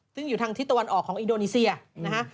ซึ่งอยู่ทางทิศตะวันออกของอินโดนีเซียนะฮะ